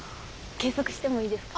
計測してもいいですか？